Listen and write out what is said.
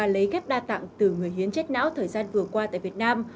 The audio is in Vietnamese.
lấy ghép đa tạng từ người hiến chết não thời gian vừa qua tại việt nam